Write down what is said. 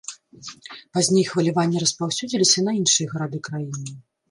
Пазней хваляванні распаўсюдзіліся на іншыя гарады краіны.